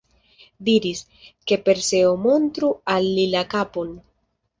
Diris, ke Perseo montru al li la kapon.